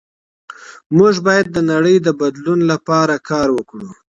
موږ باید د نړۍ د بدلون لپاره کار وکړو.